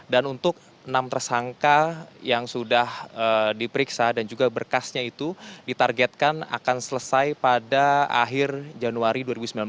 dan untuk enam tersangka yang sudah diperiksa dan juga berkasnya itu ditargetkan akan selesai pada akhir januari dua ribu sembilan belas